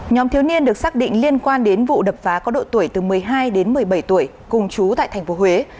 nhóm thiếu niên được xác định liên quan đến vụ đập phá có độ tuổi từ một mươi hai đến một mươi bảy tuổi cùng chú tại tp huế